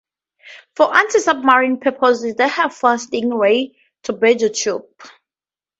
For anti-submarine purposes they have four Sting Ray torpedo tubes.